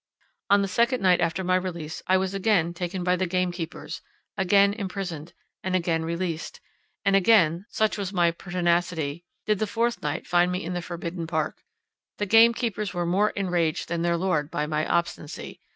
On the second night after my release, I was again taken by the gamekeepers—again imprisoned, and again released; and again, such was my pertinacity, did the fourth night find me in the forbidden park. The gamekeepers were more enraged than their lord by my obstinacy.